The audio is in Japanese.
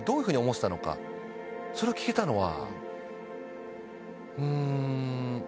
それを聞けたのは。